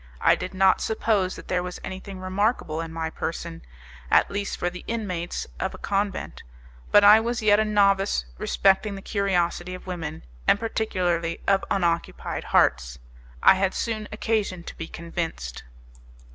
I did not suppose that there was anything remarkable in my person, at least for the inmates of a convent; but I was yet a novice respecting the curiosity of women, and particularly of unoccupied hearts; I had soon occasion to be convinced.